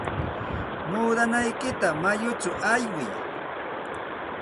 Muudanaykita mayuchaw aywiy.